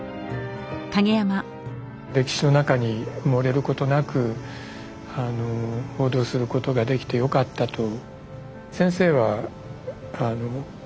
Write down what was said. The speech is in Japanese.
歴史の中に埋もれることなく報道することができてよかったと。